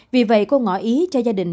vì vậy cô ngỏ ý cho gia đình